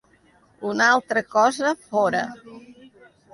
Una altra cosa fóra.